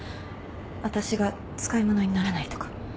私が使い物にならないとか。